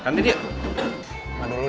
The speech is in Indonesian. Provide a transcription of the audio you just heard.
coba aku lihat mas grace itu apa